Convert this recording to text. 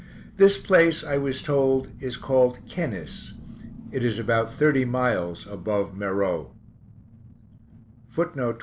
This place, I was told, is called "Kennis;" it is about thirty miles above Meroe.